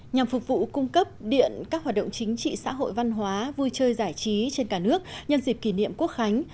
nhằm phục vụ cung cấp điện các hoạt động chính trị xã hội văn hóa vui chơi giải trí trên cả nước nhân dịp kỷ niệm quốc khánh